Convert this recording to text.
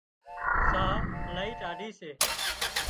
ساهَه الاهي ٽاڍي سي